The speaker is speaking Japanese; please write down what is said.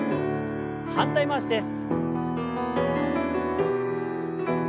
反対回しです。